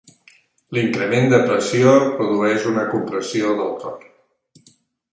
L'increment de pressió produeix una compressió del cor.